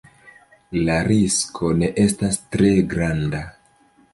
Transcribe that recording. La risko ne estas tre granda.